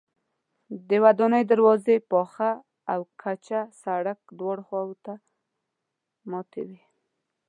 د ودانۍ دروازې پاخه او کچه سړک دواړو ته ماتې وې.